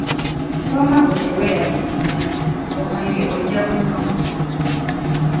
Wamma ggwe teweeralikirira, omwenge ojja kunywa.